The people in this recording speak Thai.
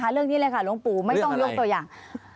เรื่องนี้เลยค่ะหลวงปู่ไม่ต้องยกตัวอย่าง